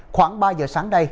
khoảng ba giờ sáng đây